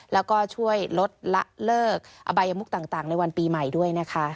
แล้วก็ช่วยลดละเลิกอบายมุกต่างในวันปีใหม่ด้วยนะคะ